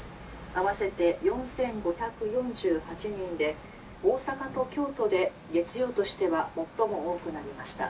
合わせて４，５４８人で大阪と京都で月曜としては最も多くなりました」。